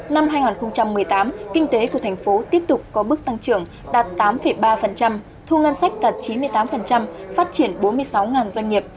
năm hai nghìn một mươi tám kinh tế của thành phố tiếp tục có bước tăng trưởng đạt tám ba thu ngân sách đạt chín mươi tám phát triển bốn mươi sáu doanh nghiệp